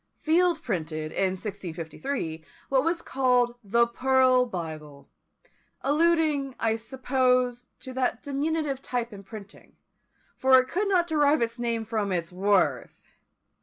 Field printed, in 1653, what was called the Pearl Bible; alluding, I suppose, to that diminutive type in printing, for it could not derive its name from its worth.